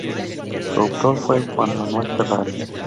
Su autor fue Juan Manuel Ferrari.